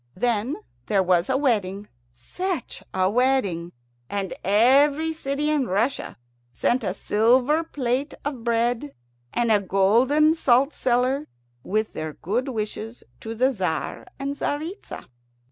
Then there was a wedding such a wedding! and every city in Russia sent a silver plate of bread, and a golden salt cellar, with their good wishes to the Tzar and Tzaritza.